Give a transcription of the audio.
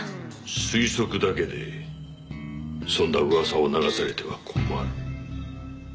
推測だけでそんな噂を流されては困る。